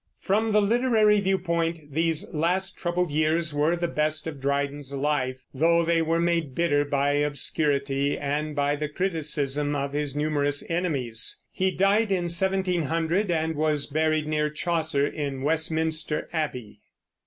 From the literary view point these last troubled years were the best of Dryden's life, though they were made bitter by obscurity and by the criticism of his numerous enemies. He died in 1700 and was buried near Chaucer in Westminster Abbey.